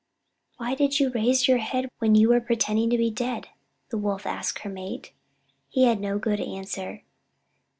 "Why did you raise your head when you were pretending to be dead?" the Wolf asked her mate. He had no good answer.